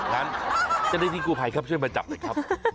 งั้นเจ้าหน้าที่กูภัยครับช่วยมาจับหน่อยครับ